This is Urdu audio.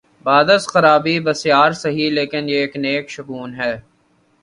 بعد از خرابیء بسیار سہی، لیکن یہ ایک نیک شگون ہے۔